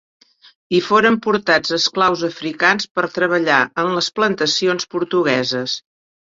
Hi foren portats esclaus africans per treballar en les plantacions portugueses.